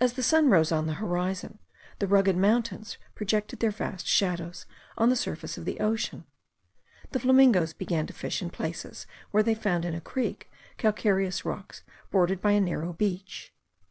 As the sun arose on the horizon, the rugged mountains projected their vast shadows on the surface of the ocean. The flamingoes began to fish in places where they found in a creek calcareous rocks bordered by a narrow beach.